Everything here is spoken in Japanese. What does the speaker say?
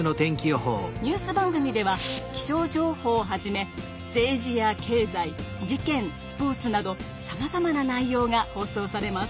ニュース番組では気象情報をはじめ政治や経済事件スポーツなどさまざまな内ようが放送されます。